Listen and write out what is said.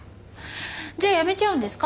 じゃあ辞めちゃうんですか？